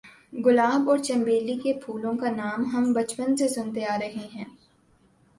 گلاب اور چنبیلی کے پھولوں کا نام ہم بچپن سے سنتے آ رہے ہیں